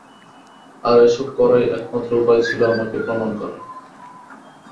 আর এসব করাই একমাত্র উপায় ছিল আমাকে প্রমাণ করার।